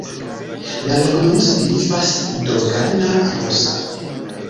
La loknomo signifas: dogana-rusa.